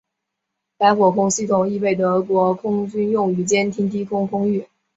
该火控系统亦被德国空军用于监控低空空域。